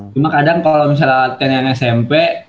cuma kadang kalo misalnya ten yang smp